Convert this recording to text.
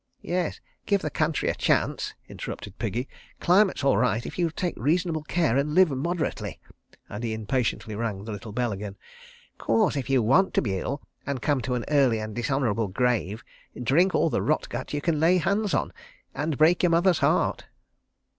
..." "Yes—give the country a chance," interrupted Piggy. "Climate's all right if you'll take reasonable care and live moderately," and he impatiently rang the little bell again. "'Course, if you want to be ill and come to an early and dishonourable grave, drink all the rot gut you can lay hands on—and break your mother's heart.